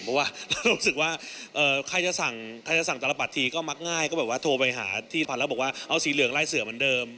เพราะว่าเรารู้สึกว่าใครจะสั่งใครจะสั่งตลบัตรทีก็มักง่ายก็แบบว่าโทรไปหาที่พันธุ์แล้วบอกว่าเอาสีเหลืองไล่เสือเหมือนเดิม